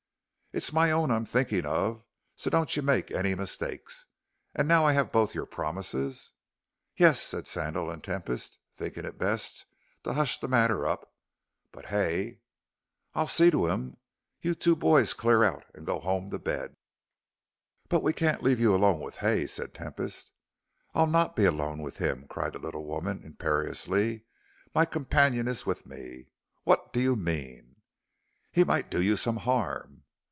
"It's my own I'm thinking of, so don't you make any mistake. And now I have both your promises?" "Yes," said Sandal and Tempest, thinking it best to hush the matter up; "but Hay " "I'll see to him. You two boys clear out and go home to bed." "But we can't leave you alone with Hay," said Tempest. "I'll not be alone with him," cried the little woman, imperiously; "my companion is with me. What do you mean?" "He might do you some harm."